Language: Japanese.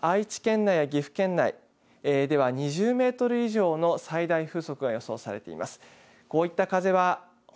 そのほか愛知県内や岐阜県内では２０メートル以上の最大風速が予想されています。